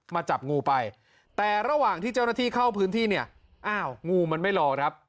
จับงูไปแต่ระหว่างที่เจ้าหน้าที่เข้าพื้นที่เนี่ยอ้าวงูมันไม่รอครับ